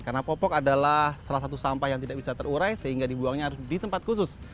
karena popok adalah salah satu sampah yang tidak bisa terurai sehingga dibuangnya di tempat khusus